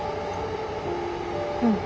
うん。